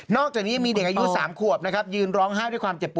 อกจากนี้มีเด็กอายุ๓ขวบนะครับยืนร้องไห้ด้วยความเจ็บปว